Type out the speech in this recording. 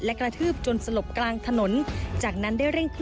ผมขับรถเก่งใช่ไหมแล้วเขาขับสี่ประตู